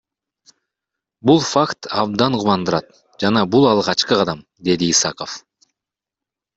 Бул факт абдан кубандырат жана бул алгачкы кадам, — деди Исаков.